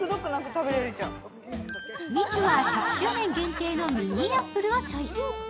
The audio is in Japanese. みちゅは１００周年限定のミニーアップルをチョイス。